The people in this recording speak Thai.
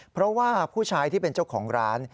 เพราะว่าผู้ชายที่เป็นเจ้าของร้าน